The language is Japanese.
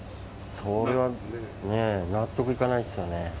それはね、納得いかないですよね。